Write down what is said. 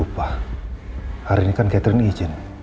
apa sehatnya om irfan aja ya